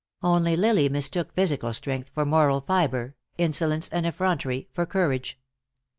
Only Lily mistook physical strength for moral fibre, insolence and effrontery for courage.